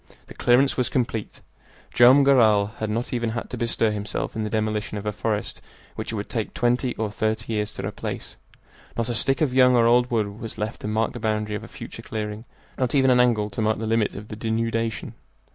The clearance was complete. Joam Garral had not even had to bestir himself in the demolition of a forest which it would take twenty or thirty years to replace. Not a stick of young or old wood was left to mark the boundary of a future clearing, not even an angle to mark the limit of the denudation.